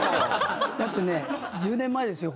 だってね１０年前ですよ